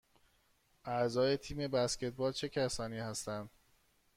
اعضای تیم بسکتبال چه کسانی هستند؟